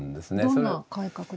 どんな改革ですか？